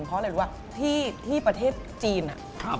เพราะเรียกว่าที่ประเทศจีนอะ